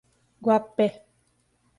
Guapé